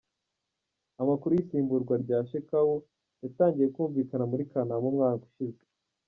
Amakuru y’isimburwa rya Shekau yatangiye kumvikana muri Kanama umwaka ushize.